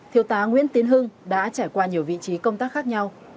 thiếu tá nguyễn tiến hưng đã trải qua nhiều vị trí công tác khác nhau